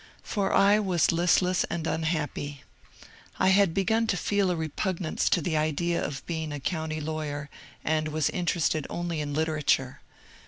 For I was listless and unhappy. I had begun to feel a repugnance to the idea of being a county lawyer, and was interested only in literature.